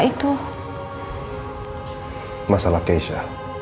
ricky udah pernah nentangin aku kan ma